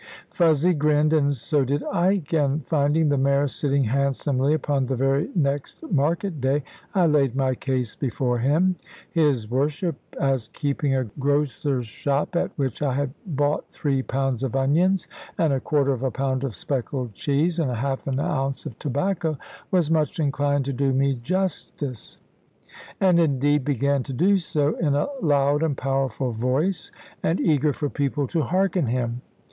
Fuzzy grinned, and so did Ike; and finding the mayor sitting handsomely upon the very next market day, I laid my case before him. His worship (as keeping a grocer's shop, at which I had bought three pounds of onions, and a quarter of a pound of speckled cheese, and half an ounce of tobacco) was much inclined to do me justice; and, indeed, began to do so in a loud and powerful voice, and eager for people to hearken him.